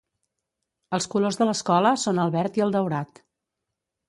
Els colors de l'escola són el verd i el daurat.